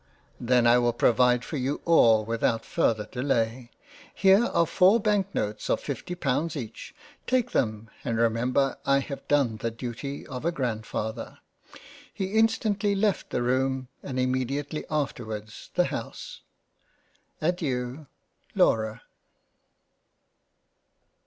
" Then I will provide for you all without farther delay — Here are 4 Banknotes of 50j£ each — Take them and remember I have done the Duty of a Grandfather." He instantly left the Room and immediately afterwards the House. Adeiu. Laura.